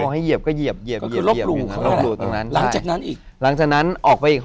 เหยียบได้ใช่